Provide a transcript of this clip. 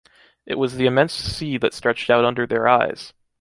It was the immense sea that stretched out under their eyes!